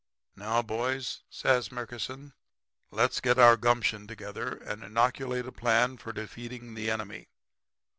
"'Now, boys,' says Murkison, 'let's get our gumption together and inoculate a plan for defeating the enemy.